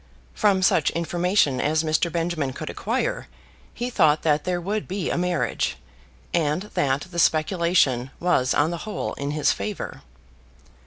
From such information as Mr. Benjamin could acquire he thought that there would be a marriage, and that the speculation was on the whole in his favour.